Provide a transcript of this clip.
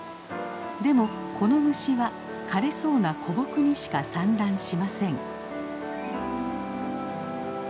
でもこの虫は枯れそうな古木にしか産卵しません。